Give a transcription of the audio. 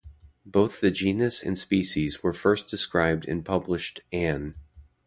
Both the genus and species were first described and published Ann.